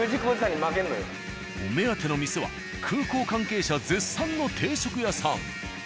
お目当ての店は空港関係者絶賛の定食屋さん。